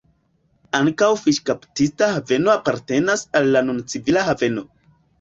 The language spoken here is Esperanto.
Ankaŭ fiŝkaptista haveno apartenas al la nun civila haveno.